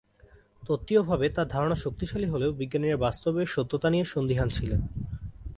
তত্ত্বীয় ভাবে তার ধারণা শক্তিশালী হলেও বিজ্ঞানীরা বাস্তবে এর সত্যতা নিয়ে সন্দিহান ছিলেন।